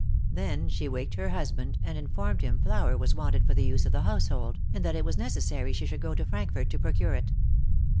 Then she waked her husband, and informed him flour was wanted for the use of the household, and that it was necessary she should go to Frankfort to procure it.